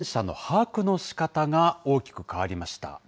きょうから感染者の把握のしかたが大きく変わりました。